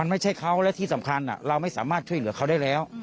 ไม่ใช่เขาและที่สำคัญเราไม่สามารถช่วยเหลือเขาได้แล้ว